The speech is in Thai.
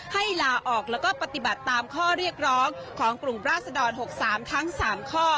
ให้ลาออกแล้วก็ปฏิบัติตามข้อเรียกร้องของกลุ่มราศดร๖๓ทั้ง๓ข้อ